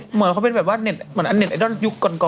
เหมือนเขาเป็นแบบว่าเน็ตไอดอลยุคก่อนอ่ะ